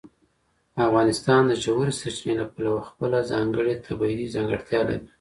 افغانستان د ژورې سرچینې له پلوه خپله ځانګړې طبیعي ځانګړتیا لري.